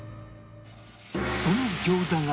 その餃子が